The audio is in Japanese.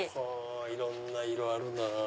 いろんな色あるんだなぁ。